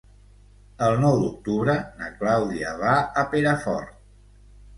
El nou d'octubre na Clàudia va a Perafort.